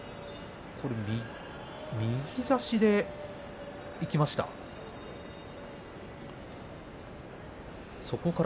右差しでいきましたか？